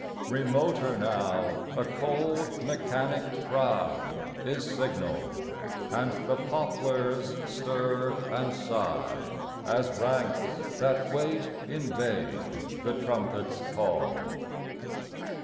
Remoter now, a cold, mechanic cry Is signal, and the poplars stir and sigh, As ranks that wait in vain the trumpet s call.